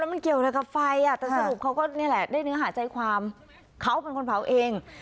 มันเกี่ยวอะไรกับไฟอ่ะแต่สรุปเขาก็นี่แหละได้เนื้อหาใจความเขาเป็นคนเผาเอง